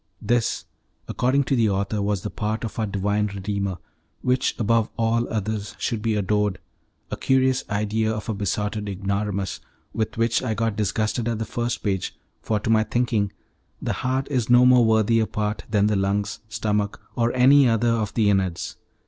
This, according to the author, was the part of our Divine Redeemer, which above all others should be adored; a curious idea of a besotted ignoramus, with which I got disgusted at the first page, for to my thinking the heart is no more worthy a part than the lungs, stomach; or any other of the inwards.